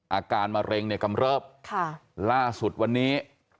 อาการมะเร็งเนี่ยกำเริบล่าสุดวันนี้